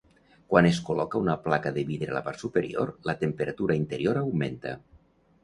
Quan es col·loca una placa de vidre a la part superior, la temperatura interior augmenta.